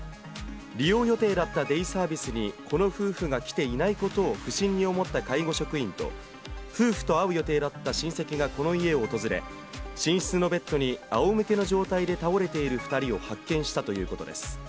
利用予定だったデイサービスにこの夫婦が来ていないことを不審に思った介護職員と、夫婦と会う予定だった親戚がこの家を訪れ、寝室のベッドにあおむけの状態で倒れている２人を発見したということです。